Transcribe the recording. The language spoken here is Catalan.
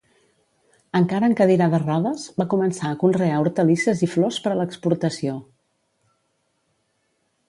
Encara en cadira de rodes, va començar a conrear hortalisses i flors per a l'exportació.